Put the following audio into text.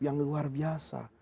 yang luar biasa